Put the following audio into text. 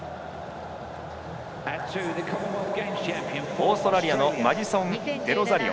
オーストラリアのマジソン・デロザリオ。